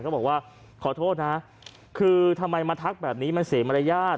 บอกว่าขอโทษนะคือทำไมมาทักแบบนี้มันเสียมารยาท